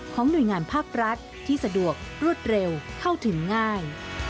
หน่วยงานภาครัฐที่สะดวกรวดเร็วเข้าถึงง่าย